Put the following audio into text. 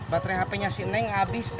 baterai hp nya si neng abis pak